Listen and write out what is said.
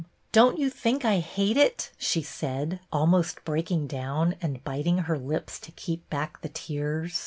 Don't you think I hate it ?" she said, almost breaking down, and bit ing her lips to keep back the tears.